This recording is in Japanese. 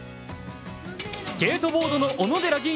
スケートボードの小野寺吟